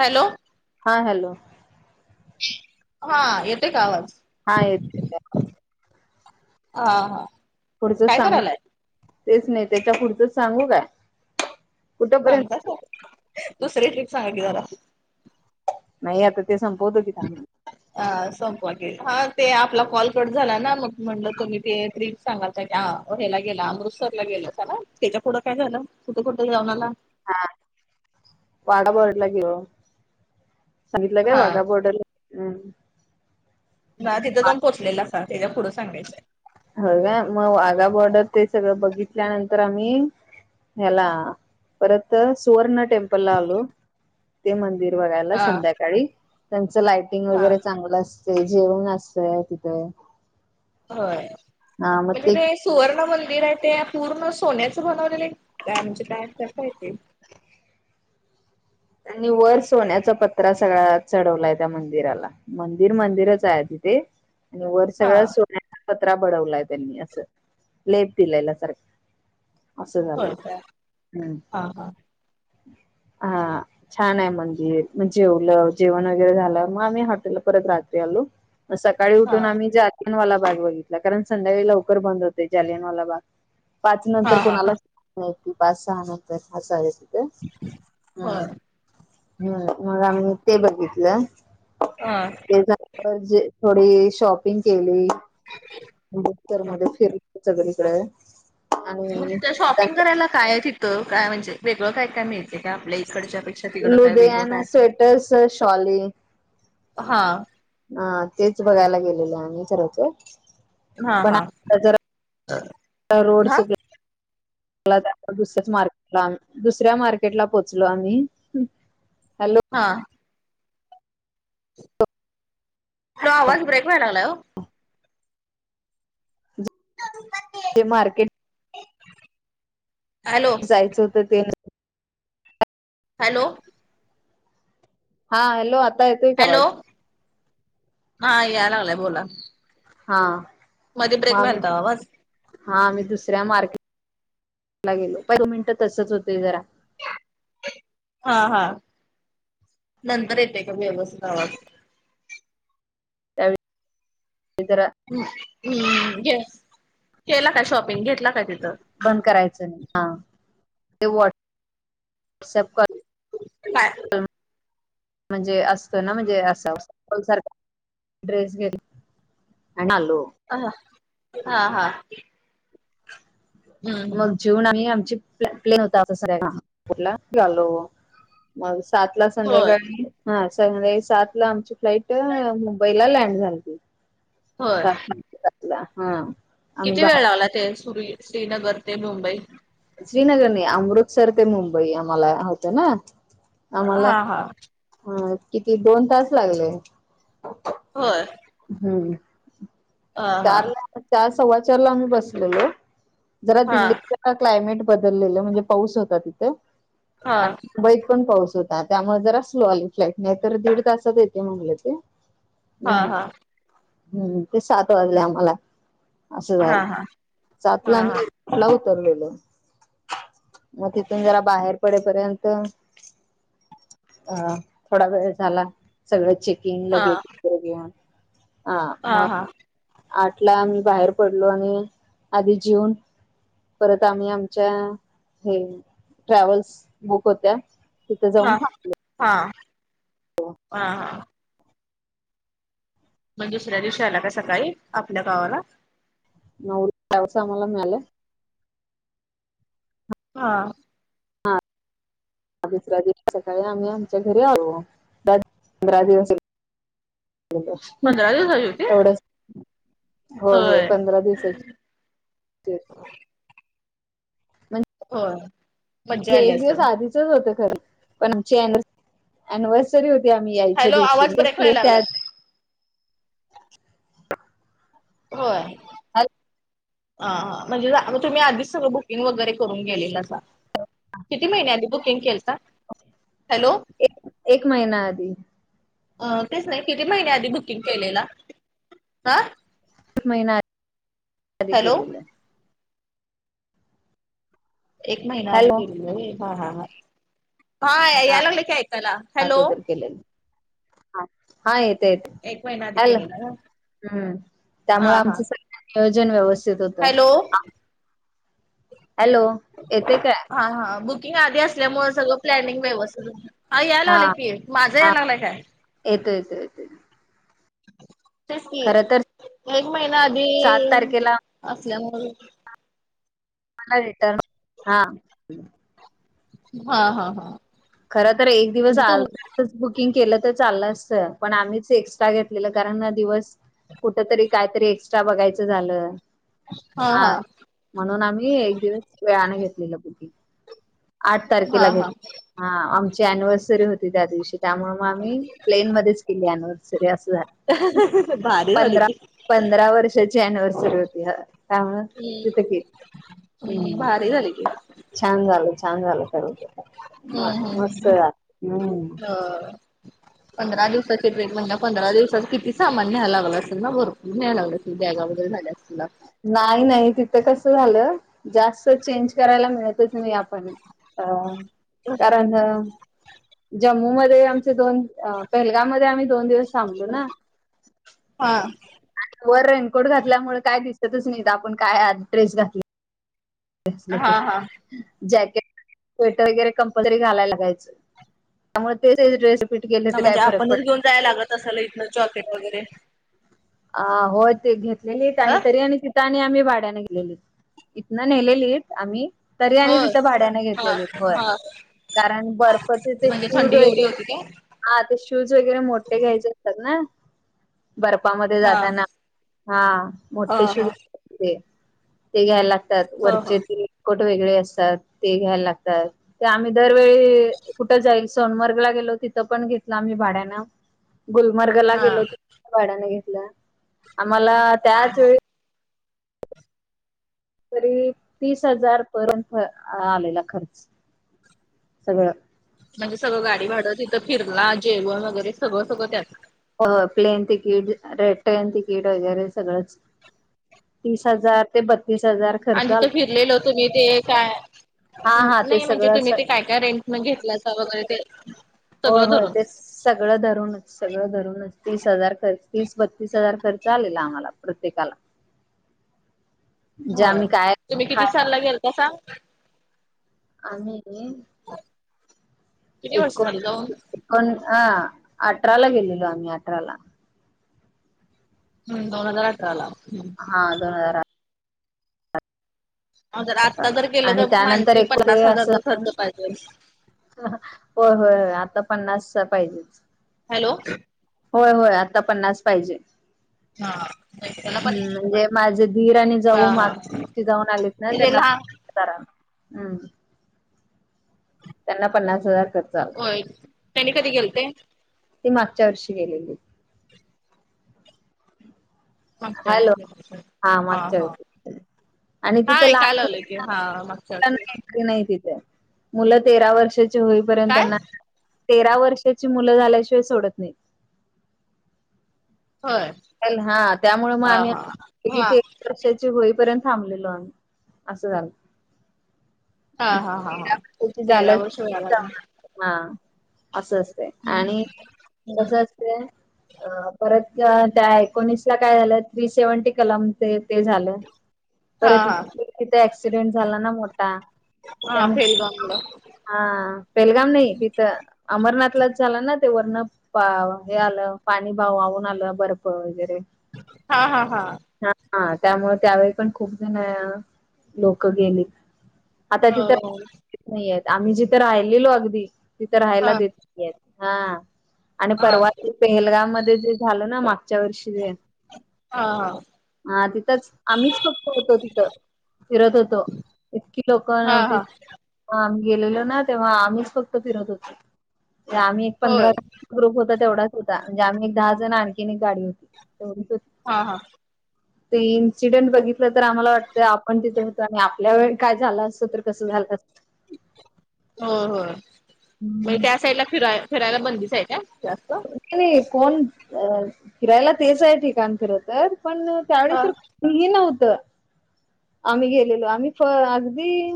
Hello? हा hello! हा, येते का आवाज? हा येत, येते आवाज, हा हा पुढच काय सांगू करायलाय तेच नाही, त्याच्या पुढचंच सांगू काय? कुठंपर्यंत सांगता सा, दुसर टीप सांगा की जरा, नाही आता, ते संपवत की थांब, ह संपवा की, हा ते आपला कॉल कट झाला ना, मग म्हणलं तुम्ही ते्री सांगालताकी, हेला गेला अमृतसर ला गेलं लासा ना, त्याच्या पुुढं काय झालं कुठे, कुठे जाऊनला? हा वागा बॉर्डर गेलो, सांगितलं काय हा वाघा बा ना तिथं जाऊ पोचलेलासा, त्याच्या पुढं सांगयच आहे, होय काय, मग वागा बॉर्डर ते सगळं बघितल्यानंतर, आम्ही ह्याला, परत सुवर्ण टेम्पल आलो, ते मंदिर बघायला हा संध्याकाळी, त्यांच लायटिंग हा वगैरे चांगलं अस तया जेवण असतय तिथे, हो, हा मग ते म्हणजे [unintelligible] सुवर्ण मंदिर आहे ते, पूर्ण सोन्याचं बनवलेलं आहे काय म्हणजे काय कसं आहे ते, त्यांनी वर सोन्याचा पत्र सगळा, चढवलाय त्या मंदिराला, मंदिर मंदिरच आहे, तिथे, आणि वर हा सगळ्या सोन्याचा पत्रा बडवलाय, त्यांनी असं लेप दिलाला सारखं असं झालं, होय काय हम्, हा हा हा छान आहे मंदिर, मग जेवलं जेवण वगैरे झालं, मग आम्ही हॉटेलला परत रात्री आलो, म सकाळी हा उठून आम्ही जालियनवाला बाग बघितला, कारण संध्याकाळी लवकर बंद होते, जालियनवाला बाग. पाच हा नंतर हा कोणालाच, [unintelligible] पाच, सहा नंतर ह, होय हम्, हम् मग आम्ही ते बघितलं, हा, ते झाल्या वर थोडी शॉपिंग केली, असरसर मध्ये फिरली सगळीकडे, आणि म्हणजे शॉपिंग करायला काय आहे तिथं, काय म्हणजे वेगळं काय काय मिळेल, लुधेयान, काय स्वेटर्स, शॉली हा, हा तेच बघायला गेलेले आम्ही खरं तर. हा हा हा [inaudible] दुसऱ्या मार्केट दुसऱ्या मार्केटला पोचलो आम्ही. हॅलो हा. हॅलो आवाज ब्रेक व्हाय लागलाय ओ. [inaudible] ते मार्केट हॅलो. जायच होत ते हॅलो. हा हॅलो आता येतोय का आवाज? हॅलो हा याय लागलाय बोला. हां मध्ये ब्रेक व्हायलता आवाज. हा आम्ही दुसऱ्या मार्केटला गेलो पहि दोन मिनिटं तसच होतय जरा. हा हा नंतर येते का व्यवस्थित आवाज. त्यावेळी ते जरा हम् घे. केला काय शॉपिंग? घेतला काय तिथं? बंद करायच नाही हा. ते व्हॉट्सॲप बाय. म्हणजे असतं ना म्हणजे असा सारखा ड्रेस घेली हणालो. ह हा हा. हम्म मग जेऊन आणि आम्ही आमची प्लेन होता अस नागपूर ला आलो मग सात ला होय संध्याकाळी हा संध्याकाळी सात ला आमची फ्लाइट मुंबईला लँड झालती. होय [inaudible] किती वेळ बाहेर लावला ते सु श्रीनगर ते मुंबई? श्रीनगर नाही अमृतसर ते मुंबई आम्हाला होत ना आम्हाला हा हा हा किती दोन तास लागले. होय. हम्म हा हा चार ला चार सव्वाचार ला आम्ही बसलेलो. जरा हा दिल्लीच क्लायमेट बदललेलं म्हणजे पाऊस होता तिथे. हा. मुंबईत पण पाऊस होता त्यामुळे जर स्लो आली फ्लाइट नाही तर दीड तासात येते म्हटले ते. हा हम्म हा हम्म ते सात वाजले आम्हाला असं हा झालं हा सात हा हा ला हा आम्ही तेला उतरलेलो. मग तिथून जरा बाहेर पडेपर्यंत अ थोडा वेळ झाला सगळं चेकिंग लगेज वगैरे घेऊन. हा हा. आठला आम्ही बाहेर पडलो आणि आधी जेऊन परत आम्ही आमच्या हे ट्रॅव्हल्स बुक होत्या. तिथं जाऊन हा थांबलं. हा हा हा. मग दुसऱ्या दिवशी आला का सकाळी आपल्या गावाला? नववस आम्हाला मिळालं. हा दुसरा दिवस सकाळी आम्ही आमच्या घरी आलो. पंधरा दिवस पंधरा दिवसाची होती एवढंच होय होय पंधरा दिवसाची हो म्हणजे एक दिवस आधीचच होत खरं पण आचीन अनिव्हर्सरी होती आम्ही यायच्या हॅलो दिवशी आवाज म्हणजे ब्रेक प्ले व्हायला त्या लागलाय हो आहे ह ह हा म्हणजेग तुम्ही आधीच सगळं बुकिंग वगैरे करून गेलेल तसा किती महिन्यांनी बुकिंग केल हॅलो एक एक महिना आधी अ तेच नाही किती महिन्या आधी बुकिंग केलेला हा महिनाध हॅलो केलेला एक महिना आधी हॅलो केलेला ह हा याय लागले की ऐकायला हॅलो अगोदर केलेलं हा येत येत एक महिना आधी केलेला ना हम् त्यामुळे हा हा आमच स वयोजन व्यवस्थित होतं हॅलो आ- हॅलो येते काय हा हा बुकिंग आधी असल्यामुळे सगळं प्लॅनिंग व्यवस्थित झा अ याय हा लागलेय की माझा याय हा लागलाय काय येतो येतो येतो तेच कि खर तर एक महिना आधी सात तारखेला असल्यामुळे मला रिटर्न हा हा हा हा खर तर एक दिवस म्हणजे आ तुम कुकिंग केलं तर चाल अस पण आम्हीच एक्स्ट्रा घेतलेलं कारण दिवस कुठ तरी कायतरी एक्स्ट्रा बघायचं झालं हा म्हणून आम्ही एक दिवस वेयाने घेतलेलं बुगी आठ तारखेला हा घेत हा हा आमची अनिव्हर्सरी होती त्या दिवशी त्यामु ग आम् प्लेन मध्येच केली अनिव्हर्सरी अस झालं भारी झाली पंधरा की पंधरा वर्षाची अनिव्हर्सरी होती ह ह जित क हम्म हम भारी झाली की छान झालं छान झालं तर हम्म हम् हम्म ह् ह पंधरा दिवसाची रेट म्हणजे पंधरा दिवसाात किती सामान न्यायला लाग असेल ना भरपर न्याय लाग असल बगा वगैरे झाल्या अस नाही नाही तिथं कस झालं जास्त चेंज करायला मिळत त नाही आपण कारण जम्मूमध्येध्ये आमचे दोन पेहलगाव मध्ये आम्ही दोन दिवस थांबलो ना हा वर रेनकोट घातल्यामुळे काय दिसतच नाही आपण काय ड्रेस घातली हा फैसलेेतच हा. जॅकेट स्वेटर वगैरे कंपलसरी घालायला जायचं त्यामुळे तेच ड्रेस रिपीट केले ना तर काय म्हणजे फरक आपणच पडत घेऊन जायला लागत असल इथन चॉकेट वगैरे अ होय ते घेतलेली आणि ह तरी आणि आणि आम्ही भाड्याने गेलेली इथनं नेलेलीत आम्ही तरी आणि होय. तिथं भाड्याने हा घेतलेली होय हा. कारण बर्फचे ते म्हणजे शूज थंडी एवढी वैरे होती काय? हा ते शूज वगैरे मोठे घ्यायचे असतात ना पामध्ये हा जाताना हा ह मोठे ह शूज ते घ्यायला लागतात ह ह. वरचे त्र कट वेगळे असतात ते घ्यायला लागतात ते आम्ही दरवेळी कुठं जाईल सोनमर्गला गेलो तिथं पण घेतल आम्ही भाड्यानं गुलमर्गला हा गेलोतो भाड्याने घेतलं आम्हाला त्याच वेळी तरी तीस हजार पर्यंत आलेला खर्च सगळं म्हणजे सगळं गाडी भाडत तिथं फिरला जेवण वगैरे सगळं सगळं त्यात प्लेन तिकीट रेड ट्रेन तिकीट वगैरे सगळंच तीस हजार ते बत्तीस हजार आणि खर्च तिथं आला फिरलेल होतो मी ते काय हा हा ते नाही म्हणजे तुम्ही सगळं ते काय काय रेंट म घेतलाच वगैरे ते होय सगळं होय धरून ते सगळं धरूनच सगळं रूनच तीस हजार खर्च तीस बत्तीस हजार खर्च आलेला आम्हाला प्रत्येकाला म्हणजे हो आम्ही काय तुम्ही किती खायला सलला गेल कसाां आणि किती वर्ष झाली त एकोण ह अठरा ला गेलेलो आम्ही अठराला हम्म दोन हजार अठराला हम्म हा दोन हजारठ हो तर आत्ता अठराला जर केलं आणि तर माणस त्यानंतर एक ते पन्नास असं हजारचा खर्च पाहिजे होय होय हो आता पन्नास पाहिजे. हॅलो होय होय आता पन्नास पाहिजे. त्याला पण हम्म म्हणजे माझे धीर आणि हा जाऊ मा हा जाऊन आलीत ना ते त्यांना लहान प कराम् त्यांना पन्नास हजार कर होय त्यांनी कधी गेलतय ती मागच्या वर्षी गेलेली मागच्या हॅलो वेळेस झालं हा मागच्या ते वर्षी आणि तिथं की हा मागच्या लहान वर्षी नाही. [unintelligible] नाही तिथ मुलं तेरा वर्षा होईपर्यंत काय त्यांना तेरा वर्षाची मुलं झाल्याशिवाय सोडत नाही हो हा त्यामुळे मग आम्ही हा [unintelligible] होईपर्यंत थांबलेल अस झालं हा हा हा हा तेरा वर्षाची तेरा झाल्यास वर्ष वय लागलं हा असं असते हम्म आणि हम्म तसच परत [unintelligible] त्या एकोणीस ला काय झालं थ्री सेव्हन्टी कलम ते झालं हा परत हा तिथे ऍक्सिडेंट झाला. ना मोठा हा त्यामुळे फेलगावमुळं हा पेलगाम नाही तिथं अमरनाथलाच झाला ना ते वर्ण पा हे आलं पाणी भावहून आलं बर्फ वगैरे हा हा हा हा त्यामुळे त्यावेळी पण खूप जण लोक गेली आता तिथं हो नाही. आम्ही जिथं राहिलेलो अगदी तिथं राहायला हा देत हा आणि हा परवा ते पेहलगाव मध्ये जे झालं ना मागच्या वर्षी हा ह हा तिथंच आम्हीच फक्त होतो. तिथं फिरत होतो इतकी लोक हा हा हा नव्हती. आम्ही गेलेलो ना तेव्हा आम्हीच फक्त फिरत होतो. आम्ही एक पंधरा होय ग्रुप होता तेवढाच होता. म्हणजे आम्ही एक दहा जण आणखीन एक गाडी होती तेवढीच होती. हा हा ते इन्सिडेंट बघितलं तर आम्हाला वाटतं आपण तिथे होतो. आणि आपल्या वे काय झालं असतं तर कसं झालं असत हो हो हम्म त्या साईडला फिराय फिरायला बंदीच आहे का? जास्त. नाही कोण, फिरायला तेच आहे ठिकाण. खर तर पण त्यावेळी हा तर नव्हत आम्ही गेलेलो, आम्ही फ अगदी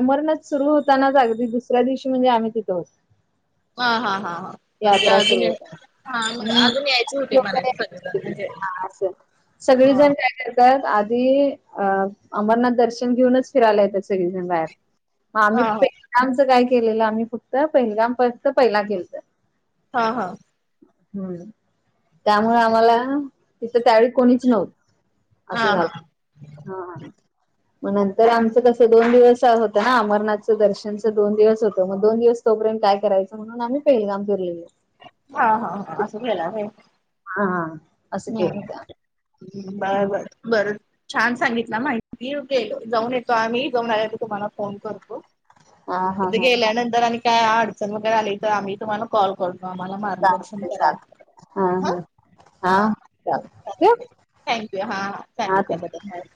अमरनाथ सुरु होतानाच, अगदी दुसऱ्या दिवशी, म्हणजे आम्ही तिथं होतो. हा हा हा हा. म्हणजे यात्रा सुरू अजून, होता हा. मग हम्म अजून यायचे होते, म्हणायला सगळेजण. म्हणजे सगळे जण हा का? त आधी अ अमरनाथ दर्शन घेऊनच फिराला येत्या. सगळेजण बाहेर. हा आम्ही पल आमच काय केलेलं. आम्ही फक्त पहिलगामपर्यंत पहिला केलत. हा हा. हम्म, त्यामुळे आम्हाला तिथं, त्यावेळी कोणीच नव्हत.. असं झालं. हा हा. हम [unintelligible] मग नंतर आमचं कसं दोन दिवस होत ना, अमरनाथं दर्शनचं दोन दिवस होतं. मग दोन दिवस तोपर्यंत काय करायं. म्हणून आम्ही पेलगाम फिरलेलो. हा हा हा असं केल व्हय. हा. असं केलत. बर, बर, बरं. छान सांगितला माहिती. गेलो जाऊन येतो आम्ही. जाऊन आले की, तुम्हाला फोन करतो. हा हा तथे हा गेल्यानंतर, आणि काय अडचण वगैरे आली तर. आम्ही तुम्हाला कॉल मामाला मार्गदर्शन चालतंय करा. चालतंय हा ह. हा हा. चालतंय ठेवू थँक्यू. हा ह हा सांगितल्या बद्दल.